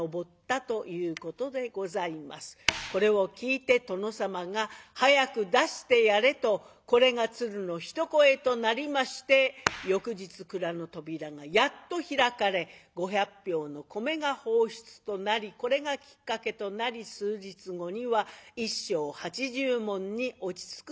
これを聞いて殿様が「早く出してやれ」とこれが鶴の一声となりまして翌日蔵の扉がやっと開かれ５００俵の米が放出となりこれがきっかけとなり数日後には１升８０文に落ち着くことができるようになりました。